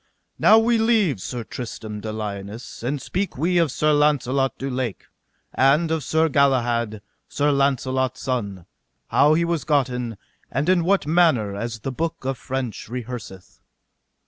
Now leave we Sir Tristram de Liones, and speak we of Sir Launcelot du Lake, and of Sir Galahad, Sir Launcelot's son, how he was gotten, and in what manner, as the book of French rehearseth.